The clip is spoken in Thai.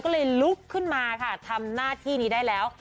ก็เลยลุกขึ้นมาค่ะทำหน้าที่นี้ได้แล้ว